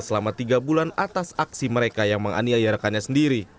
selama tiga bulan atas aksi mereka yang menganiayarkannya sendiri